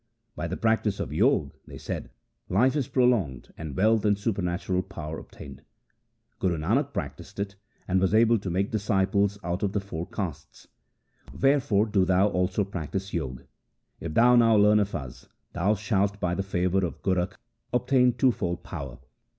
1 ' By the practice of Jog,' they said, ' life is prolonged and wealth and super natural power obtained. Guru Nanak practised it, and was able to make disciples out of the four castes. Wherefore do thou also practise Jog. If thou now learn of us, thou shalt by the favour of Gorakh obtain twofold power.'